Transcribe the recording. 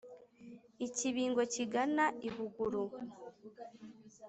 i kibingo kigana i buguru